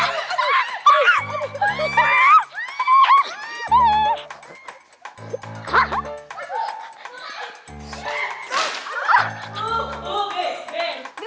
aduh aduh aduh